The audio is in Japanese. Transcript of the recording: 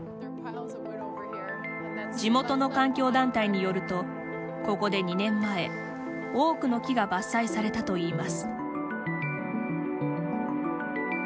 地元の環境団体によるとここで２年前多くの木が伐採されたといいます。